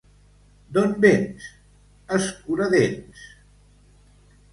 D'on vens, escuradents?